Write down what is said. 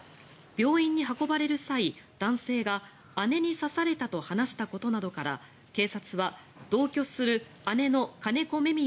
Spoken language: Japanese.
病院に運ばれる際、男性が姉に刺されたと話したことなどから、警察は同居する姉の金子芽